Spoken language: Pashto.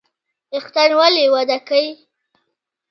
ویښتان ولې وده کوي؟